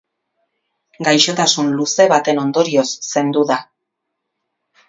Gaixotasun luze baten ondorioz zendu da.